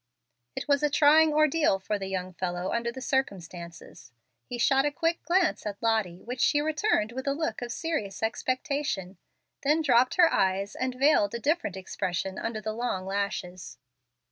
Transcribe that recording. It was a trying ordeal for the young fellow under the circumstances. He shot a quick glance at Lottie, which she returned with a look of serious expectation, then dropped her eyes and veiled a different expression under the long lashes.